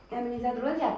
yang bisa dulu siapa